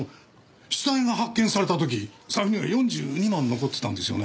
死体が発見された時財布には４２万残ってたんですよね。